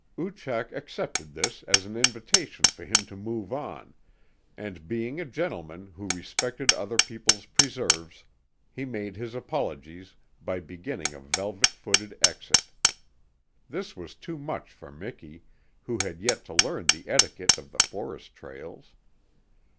Oochak accepted this as an invitation for him to move on, and being a gentleman who respected other people's preserves he made his apologies by beginning a velvet footed exit. This was too much for Miki, who had yet to learn the etiquette of the forest trails.